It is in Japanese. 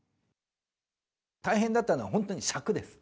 大変だったのは、本当に尺です。